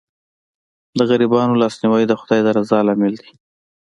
د غریبانو لاسنیوی د خدای د رضا لامل دی.